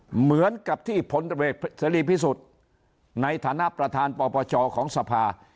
เหมือนกับที่ผลตรวจเสรีพิสุทธิ์ในฐานะประธานปปชของสภา